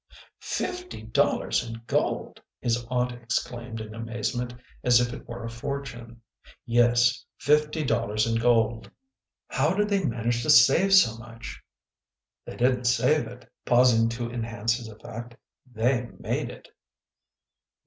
" Fifty dollars in gold !" his aunt exclaimed in amaze ment as if it were a fortune. " Yes, fifty dollars in gold." 122 THE PLEASANT WAYS OF ST. MEDARD " How did they manage to save so much? " They didn t save it," pausing to enhance his effect, " they made it.